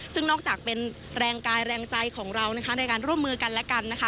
ซึ้งนอกจากแรงกายแรงใจของเราในการร่วมมือกันและกัน